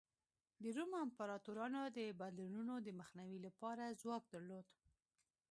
د روم امپراتورانو د بدلونونو د مخنیوي لپاره ځواک درلود.